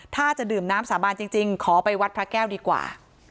ถ้าจะดื่มน้ำสาบานจริงขอไปวัดพระแก้วดีกว่า